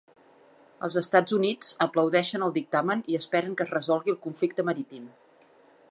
Els Estats Units aplaudeixen el dictamen i esperen que es resolgui el conflicte marítim.